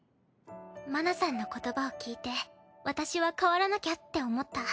麻奈さんの言葉を聞いて私は変わらなきゃって思った。